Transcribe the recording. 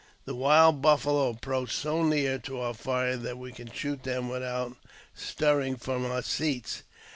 The wild buffalo approached so lear to our fire that we could shoot them without stirring from >ur seats.